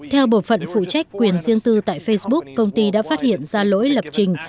theo bộ phận phụ trách quyền riêng tư tại facebook công ty đã phát hiện ra lỗi lập trình